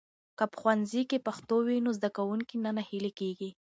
که په ښوونځي کې پښتو وي، نو زده کوونکي نه ناهيلي کېږي.